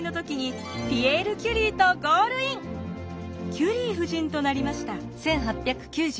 キュリー夫人となりました。